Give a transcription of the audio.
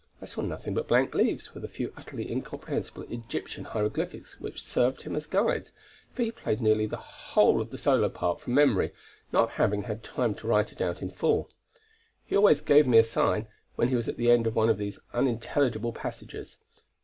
"I saw nothing but blank leaves with a few utterly incomprehensible Egyptian hieroglyphics which served him as guides, for he played nearly the whole of the solo part from memory, not having had time to write it out in full; he always gave me a sign, when he was at the end of one of these unintelligible passages."